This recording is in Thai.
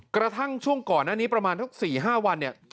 กระทั่งช่วงก่อนหน้านี้ประมาณสัก๔๕วันเนี่ย